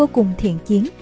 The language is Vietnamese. cùng thiện chiến